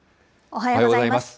おはようございます。